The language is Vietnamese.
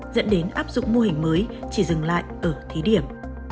dẫn đến áp dụng mô hình mới chỉ dừng lại ở thí điểm